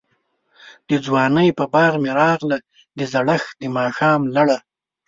دځوانۍ په باغ می راغله، دزړښت دماښام لړه